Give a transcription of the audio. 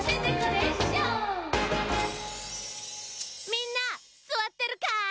みんなすわってるかい！